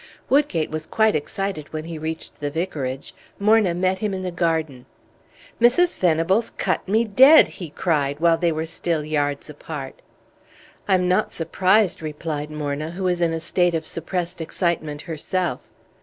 Woodgate was quite excited when he reached the Vicarage. Morna met him in the garden. "Mrs. Venables cut me dead!" he cried while they were still yards apart. "I am not surprised," replied Morna, who was in a state of suppressed excitement herself.